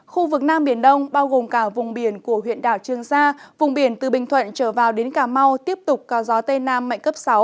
khu vực nam biển đông bao gồm cả vùng biển của huyện đảo trương sa vùng biển từ bình thuận trở vào đến cà mau tiếp tục có gió tây nam mạnh cấp sáu